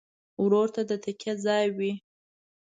ورور د تکیه ځای وي.